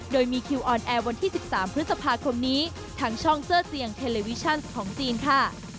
โดยมีคิวออนแอร์วันที่๑๓พฤษภาคมนี้ทางช่องเสื้อเสียงเทเลวิชั่นของจีนค่ะ